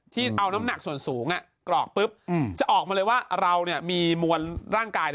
ที่เอาน้ำหนักส่วนสูงกรอกปุ๊บจะออกมาเลยว่าเรามีมวลร่างกาย